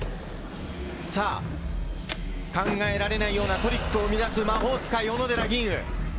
さあ考えられないようなトリックを生み出す魔法使い、小野寺吟雲。